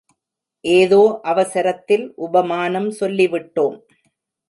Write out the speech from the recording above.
ஏதோ அவசரத்தில் உபமானம் சொல்லிவிட்டோம்.